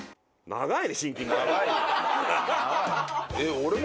長い。